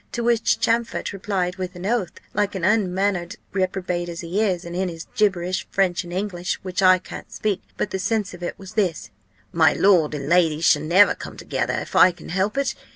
To which Champfort replied with an oath, like an unmannered reprobate as he is, and in his gibberish, French and English, which I can't speak; but the sense of it was this: 'My lord and lady shall never come together, if I can help it.